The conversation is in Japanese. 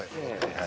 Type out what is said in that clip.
はい。